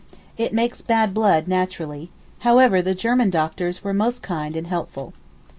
It makes bad blood naturally. However, the German doctors were most kind and helpful.